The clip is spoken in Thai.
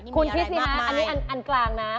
คุณคิดสินะอันกลางนะ